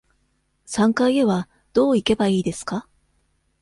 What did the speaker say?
三階へはどう行けばいいですか。